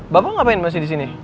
bapak ngapain masih di sini